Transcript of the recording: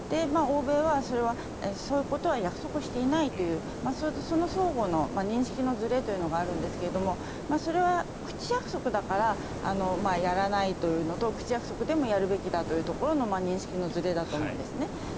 欧米は、そういうことは約束していないというそういう相互の認識のずれというのがあるんですがそれは口約束だからやらないというのと口約束でもやるべきだというところの認識のずれだと思うんですね。